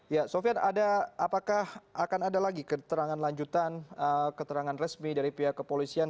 ya sofian apakah akan ada lagi keterangan lanjutan keterangan resmi dari pihak kepolisian